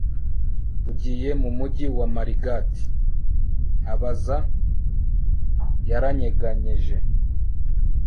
ugiye mu mujyi wa marigat? abaza. yaranyeganyeje